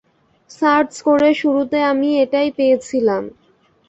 Search করে শুরুতে আমি এটাই পেয়েছিলাম।